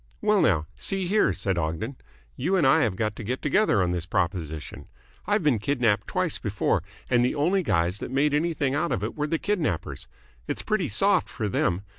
"Well, now, see here," said Ogden, "you and I have got to get together on this proposition. I've been kidnapped twice before, and the only guys that made anything out of it were the kidnappers. It's pretty soft for them.